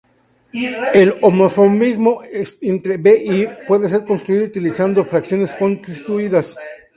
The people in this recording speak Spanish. El homeomorfismo entre B e Ir puede ser construido utilizando fracciones continuas.